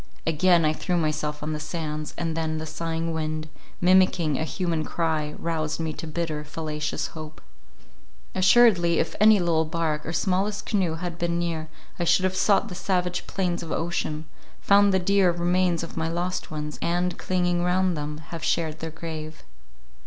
Again I threw myself on the sands, and then the sighing wind, mimicking a human cry, roused me to bitter, fallacious hope. Assuredly if any little bark or smallest canoe had been near, I should have sought the savage plains of ocean, found the dear remains of my lost ones, and clinging round them, have shared their grave.